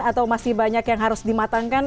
atau masih banyak yang harus dimatangkan